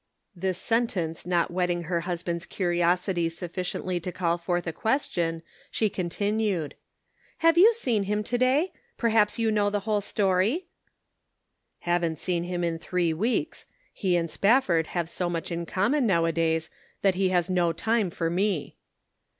This sentence not whetting her husband's curiosity sufficiently to call forth a question, she continued :" Have you seen him to day ? Perhaps you know the whole story ?" 422 The Pocket Measure. " Haven't seen him in three weeks ; he and Spfifford have so much in common nowadays that he has no time for me."